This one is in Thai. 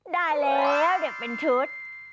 ได้แล้วเด็กเป็นชุด